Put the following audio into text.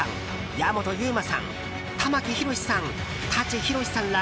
矢本悠馬さん玉木宏さん、舘ひろしさんら